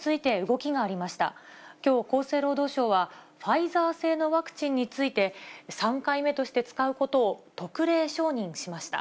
きょう、厚生労働省はファイザー製のワクチンについて、３回目として使うことを特例承認しました。